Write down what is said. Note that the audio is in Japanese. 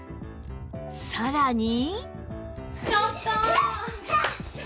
さらに